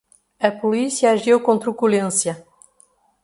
A polícia agiu com truculência